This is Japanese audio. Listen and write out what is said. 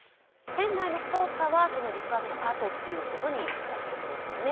船内の捜査は陸揚げのあとということになってくるんですかね。